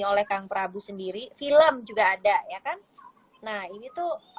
oleh kang prabu sendiri film juga ada ya kan nah ini tuh